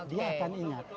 dia akan ingat